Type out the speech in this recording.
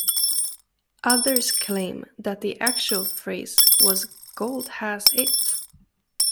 Others claim that the actual phrase was Gold has it!